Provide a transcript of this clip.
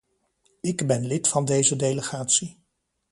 Ik ben lid van deze delegatie.